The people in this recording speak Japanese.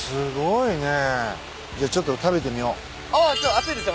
熱いですよ